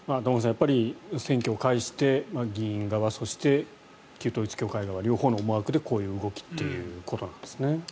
やっぱり選挙を介して議員側そして、旧統一教会側両方の思惑でこういう動きということなんですね。